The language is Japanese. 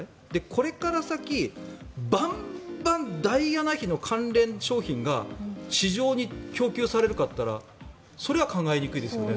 これから先、バンバンダイアナ妃の関連商品が市場に供給されるかといったらそれは考えにくいですよね。